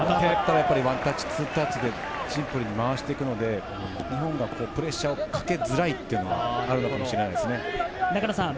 ワンタッチ、ツータッチでシンプルに回して行くので、日本がプレッシャーをかけづらいというのはあるのかもしれないですね。